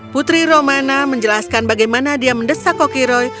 putri romana menjelaskan bagaimana dia mendesak kokiroy